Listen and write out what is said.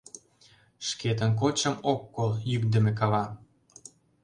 Шкетын кодшым ок кол Йӱкдымӧ кава.